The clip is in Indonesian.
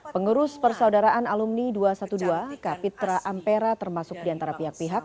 pengurus persaudaraan alumni dua ratus dua belas kapitra ampera termasuk di antara pihak pihak